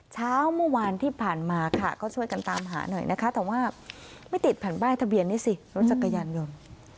เช้าเมื่อวานที่ผ่านมาค่ะก็ช่วยกันตามหาหน่อยนะคะแต่ว่าไม่ติดแผ่นป้ายทะเบียนนี่สิรถจักรยานยนต์